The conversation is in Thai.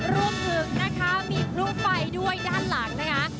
รวมถึงนะคะมีพลุไฟด้วยด้านหลังนะคะ